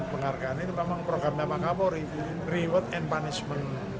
penghargaan itu memang programnya pak kapolri reward and punishment